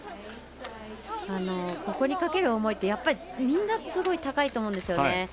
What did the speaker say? ここにかける思いってみんな、高いと思うんですよね。